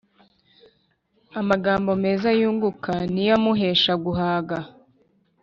amagambo meza yunguka ni yo amuhesha guhaga